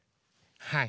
はい。